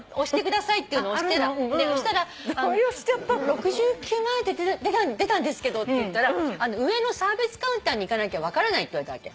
６９万円って出たんですけどって言ったら「上のサービスカウンターに行かなきゃ分からない」って言われたわけ。